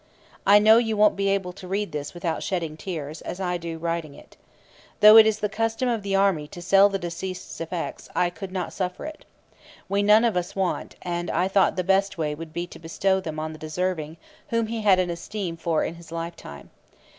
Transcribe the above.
I know you won't be able to read this without shedding tears, as I do writing it. Though it is the custom of the army to sell the deceased's effects, I could not suffer it. We none of us want, and I thought the best way would be to bestow them on the deserving whom he had an esteem for in his lifetime.